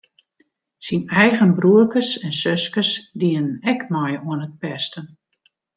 Syn eigen broerkes en suskes dienen ek mei oan it pesten.